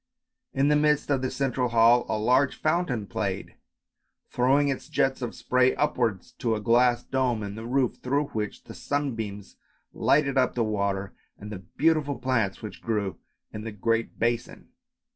In the midst of the central hall a large fountain played, throwing its jets of spray upwards to a glass dome in the roof, through which the sunbeams lighted up the water and the beautiful plants which grew in the great basin.